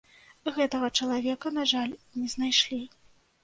Гэтага чалавека, на жаль, не знайшлі.